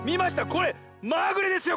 これまぐれですよ